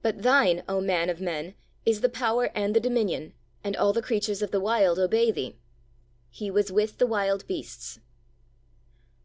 But Thine, O Man of men, is the power and the dominion, and all the creatures of the Wild obey Thee! 'He was with the wild beasts.'